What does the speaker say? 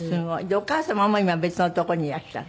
お母様も今別のとこにいらっしゃる？